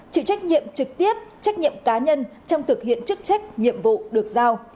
chịu trách nhiệm trực tiếp trách nhiệm cá nhân trong thực hiện chức trách nhiệm vụ được giao